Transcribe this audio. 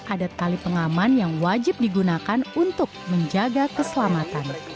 ada tali pengaman yang wajib digunakan untuk menjaga keselamatan